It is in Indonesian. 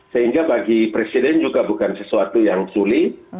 sehingga bagi presiden juga bukan sesuatu yang sulit